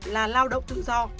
là lao động tự do